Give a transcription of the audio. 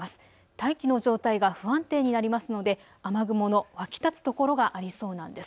大気の状態が不安定になりますので雨雲の湧き立つところがありそうなんです。